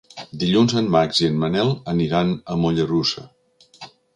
Dilluns en Max i en Manel aniran a Mollerussa.